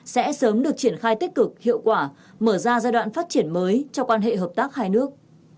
sẽ sớm được triển khai tích cực hiệu quả mở ra giai đoạn phát triển mới cho quan hệ hợp tác hai nước